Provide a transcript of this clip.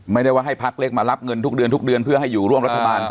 ไม่ได้ว่าให้พักเล็กมารับเงินทุกเดือนทุกเดือนเพื่อให้อยู่ร่วมรัฐบาล